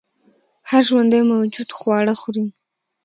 هر ژوندی موجود خواړه خوري